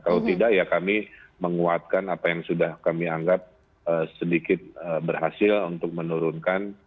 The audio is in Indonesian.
kalau tidak ya kami menguatkan apa yang sudah kami anggap sedikit berhasil untuk menurunkan